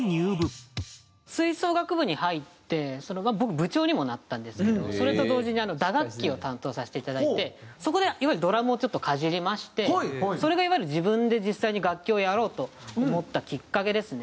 吹奏楽部に入って僕部長にもなったんですけどそれと同時に打楽器を担当させていただいてそこでいわゆるドラムをちょっとかじりましてそれがいわゆる自分で実際に楽器をやろうと思ったきっかけですね。